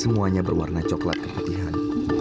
semuanya berwarna coklat keputihan